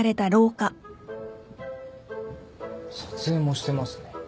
撮影もしてますね。